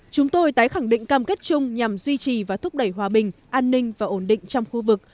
chúng tôi tái khẳng định cam kết chung nhằm duy trì và thúc đẩy hòa bình an ninh và ổn định trong khu vực